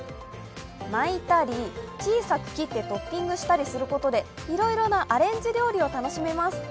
巻いたり、小さく切ってトッピングしたりすることでいろいろなアレンジ料理を楽しめます。